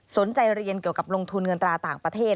สนใจเรียนเกี่ยวกับลงทุนเงินตราต่างประเทศ